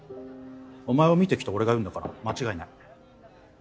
お前を見てきた俺が言うんだから間違いない。